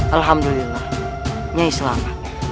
alhamdulillah nyi selamat